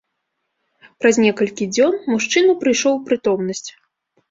Праз некалькі дзён мужчына прыйшоў у прытомнасць.